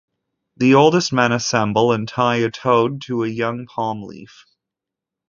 The oldest men assemble and tie a toad to a young palm-leaf.